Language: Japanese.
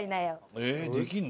えーっできるの？